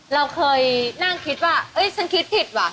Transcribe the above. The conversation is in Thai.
เราเคยนั่งคิดว่าฉันคิดผิดว่ะ